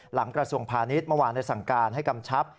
กระทรวงพาณิชย์เมื่อวานได้สั่งการให้กำชับ